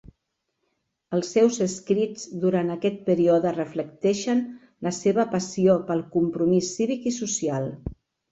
Els seus escrits durant aquest període reflecteixen la seva passió pel compromís cívic i social.